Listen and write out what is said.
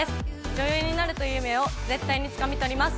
女優になるという夢を絶対につかみ取ります。